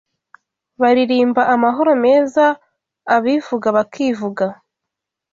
baririmba amahoro meza, abivuga bakivuga